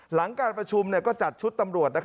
หลังการประชุมก็จัดชุดตำรวจ